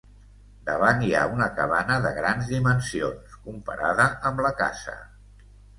Davant hi ha una cabana de grans dimensions, comparada amb la casa.